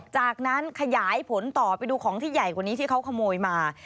จากนั้นขยายผลต่อไปดูของที่ใหญ่กว่านี้ที่เขาขโมยมา